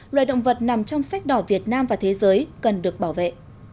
loài động vật nằm trong sách đỏ việt nam và thế giới cần được bảo vệ